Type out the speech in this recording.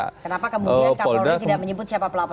kenapa kemudian kapolri tidak menyebut siapa pelapornya